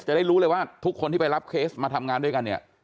จะได้รู้เลยว่าทุกคนที่ไปรับเคสมาทำงานด้วยกันเนี่ย